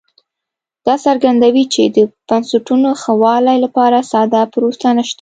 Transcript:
دا څرګندوي چې د بنسټونو ښه والي لپاره ساده پروسه نشته